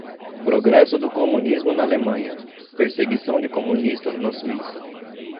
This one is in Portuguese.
Progresso do Comunismo na Alemanha - Perseguição de Comunistas na Suíça